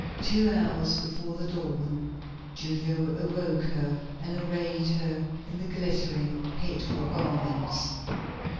Two hours before the dawn, Julia awoke her and arrayed her in the glittering, hateful garments.